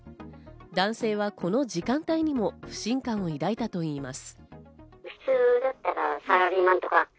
男性は、この時間帯にも不信感を抱いたといいます。